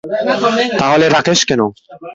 তাহলে রাকেশ কেন?